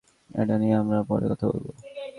এটা নিয়ে আমরা পরে কথা বলব।